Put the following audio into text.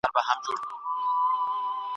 د سياسي قدرت بنسټونه بايد په سياست کي وپېژندل سي.